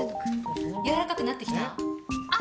柔らかくなってきた？